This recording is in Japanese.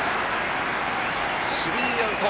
スリーアウト。